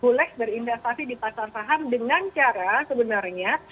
who likes berinvestasi di pasar saham dengan cara sebenarnya